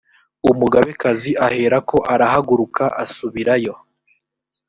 umugabekazi aherako arahaguruka asubirayo.